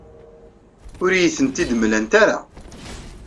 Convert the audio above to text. Ur iyi-tent-id-mlant ara.